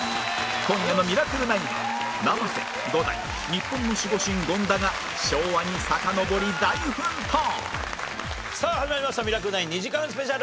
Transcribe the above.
今夜の『ミラクル９』は生瀬伍代日本の守護神権田が昭和にさかのぼり大奮闘！さあ始まりました『ミラクル９』２時間スペシャル！